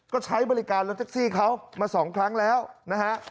ก็ใช้บริการรถแท็กซี่เขามา๒ครั้งแล้วนะฮะ